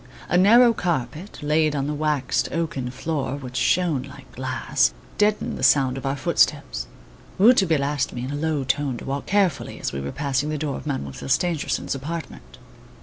A narrow carpet, laid on the waxed oaken floor, which shone like glass, deadened the sound of our footsteps. Rouletabille asked me, in a low tone, to walk carefully, as we were passing the door of Mademoiselle Stangerson's apartment.